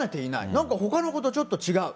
なんかほかのことちょっと違う。